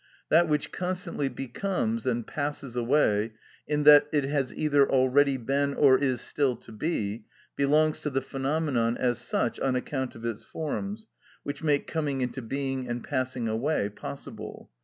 That which constantly becomes and passes away, in that it has either already been or is still to be, belongs to the phenomenon as such on account of its forms, which make coming into being and passing away possible.